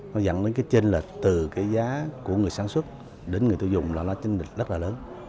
nó dẫn đến cái chênh lệch từ cái giá của người sản xuất đến người tiêu dùng là nó trên rất là lớn